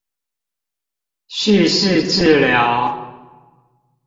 敘事治療